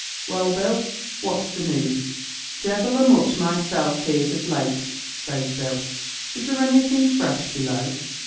"Well, Bill, what's the news?" "Devil a much myself hears of late," says Bill; "is there anything fresh below?"